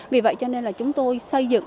vì vậy cho nên là chúng tôi xây dựng